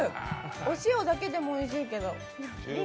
お塩だけでもおいしいけど。